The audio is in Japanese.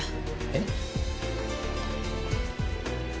えっ？